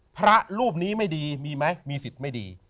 พระรูปนี้ไม่ดีมีไหมมีสิทธิ์ไม่ดี